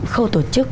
khâu tổ chức